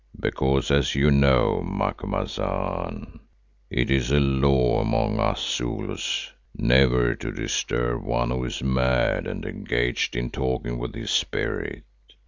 "Because, as you know, Macumazahn, it is a law among us Zulus never to disturb one who is mad and engaged in talking with his Spirit.